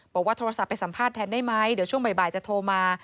บอกว่าโทรศัพท์ไปสัมภาษณ์แทนได้ไหมเดี๋ยวช่วงบ่ายจะโทรมา